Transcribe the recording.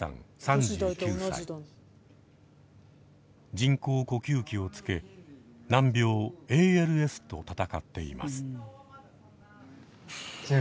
人工呼吸器をつけ難病ＡＬＳと闘っています。